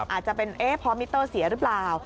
อาจจะเป็นเอ๊ะพอมิเตอร์เสียหรือเปล่า